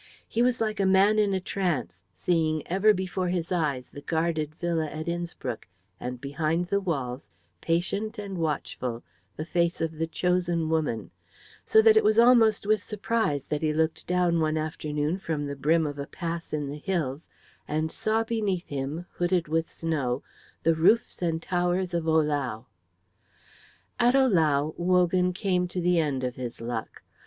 He was like a man in a trance, seeing ever before his eyes the guarded villa at Innspruck, and behind the walls, patient and watchful, the face of the chosen woman; so that it was almost with surprise that he looked down one afternoon from the brim of a pass in the hills and saw beneath him, hooded with snow, the roofs and towers of Ohlau. At Ohlau Wogan came to the end of his luck.